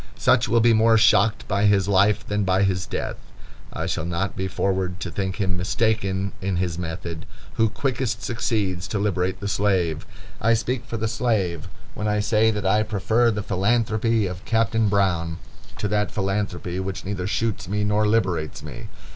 Such will be more shocked by his life than by his death. I shall not be forward to think him mistaken in his method who quickest succeeds to liberate the slave. I speak for the slave when I say, that I prefer the philanthropy of Captain Brown to that philanthropy which neither shoots me nor liberates me.